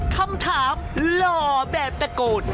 คำถามหล่อแบบตะโกน